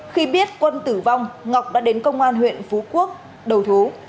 khi biết quân tử vong ngọc đã đến công an huyện phú quốc đầu thú